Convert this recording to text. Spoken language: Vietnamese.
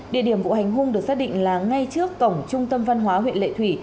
địa điểm của hành hung được xác định là ngay trước cổng trung tâm văn hóa huyện lệ thủy